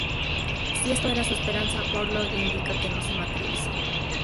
Si esto era su esperanza, Barlow indica que no se materializó.